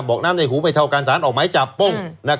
บอกน้ำในหูไม่เท่ากันสารออกหมายจับป้อง